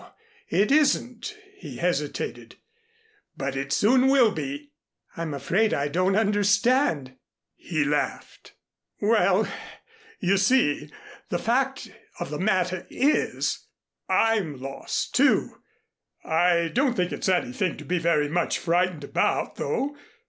It isn't," he hesitated, "but it soon will be." "I'm afraid I don't understand." He laughed. "Well, you see, the fact of the matter is, I'm lost, too. I don't think it's anything to be very much frightened about, though.